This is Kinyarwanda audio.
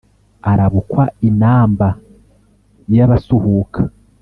Arabukwa inamba y'abasuhuka